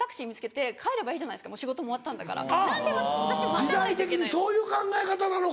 時代的にそういう考え方なのか。